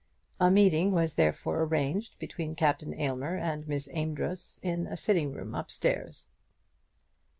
A meeting was therefore arranged between Captain Aylmer and Miss Amedroz in a sitting room up stairs.